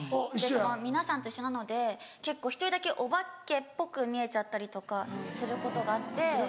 皆さんと一緒なので結構１人だけお化けっぽく見えちゃったりとかすることがあって。